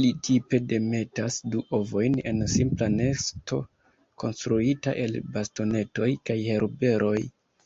Ili tipe demetas du ovojn en simpla nesto konstruita el bastonetoj kaj herberoj.